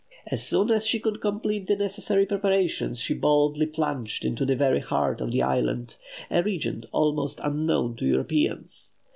As soon as she could complete the necessary preparations, she boldly plunged into the very heart of the island a region almost unknown to Europeans.